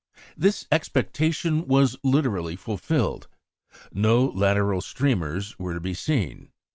This expectation was literally fulfilled. No lateral streamers were to be seen.